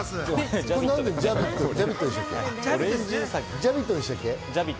ジャビットでしたっけ？